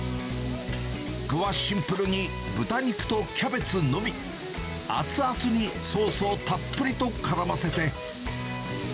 具はシンプルに豚肉とキャベツのみ、熱々にソースをたっぷりとからませて。